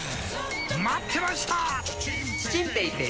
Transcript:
待ってました！